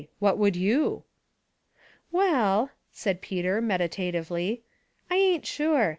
What would you ?" "Well," said Peter, meditatively, "I ain't sure.